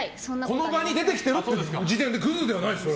この場に出てきてる時点でクズではないですよ。